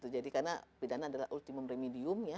jadi karena pidana adalah ultimum remedium